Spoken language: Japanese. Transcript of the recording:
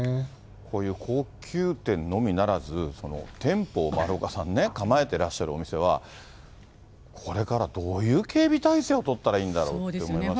こういう高級店のみならず、店舗を、丸岡さんね、構えてらっしゃるお店は、これからどういう警備態勢をとったらいいんだろうって思いますね。